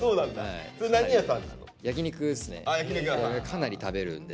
かなり食べるんで。